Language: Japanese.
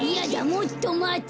もっとまつ。